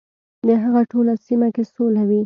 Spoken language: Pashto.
د هغه ټوله سیمه کې سوله وي .